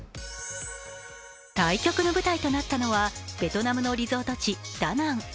対局の舞台となったのはベトナムのリゾート地ダナン。